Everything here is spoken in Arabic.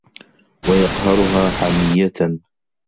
وَيَقْهَرُهَا حَمِيَّةً